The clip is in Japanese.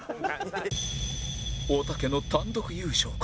おたけの単独優勝か？